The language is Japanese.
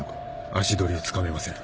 ・足取りをつかめません。